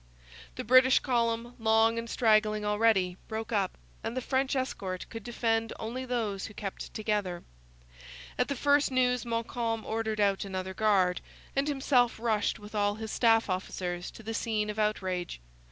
The British column, long and straggling already, broke up, and the French escort could defend only those who kept together. At the first news Montcalm ordered out another guard, and himself rushed with all his staff officers to the scene of outrage.